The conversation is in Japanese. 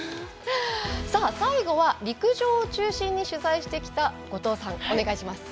最後は陸上を中心に取材してきた後藤さん、お願いします。